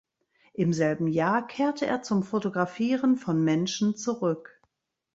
Im selben Jahr kehrte er zum Fotografieren von Menschen zurück.